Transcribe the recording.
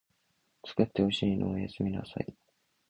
つくってほしいのおやすみなさい